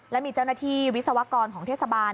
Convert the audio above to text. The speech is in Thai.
และมีเจ้าหน้าที่วิศวกรของเทศบาล